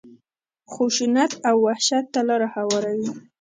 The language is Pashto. خشونت او وحشت ته لاره هواروي.